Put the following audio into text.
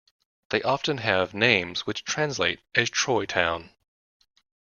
They often have names which translate as "Troy Town".